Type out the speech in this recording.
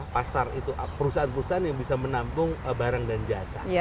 pasar itu perusahaan perusahaan yang bisa menampung barang dan jasa